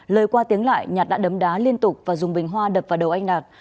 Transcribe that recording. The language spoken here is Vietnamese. lời qua tiếng lại nhạt đã đấm đá liên tục và dùng bình hoa đập vào đầu anh đạt